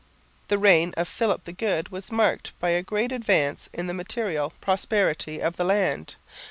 The reign of Philip the Good was marked by a great advance in the material prosperity of the land.